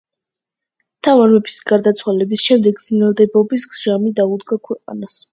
თამარ მეფის გარდაცვალების შემდეგ ძნელბედობის ჟამი დაუდგა ქვეყანას.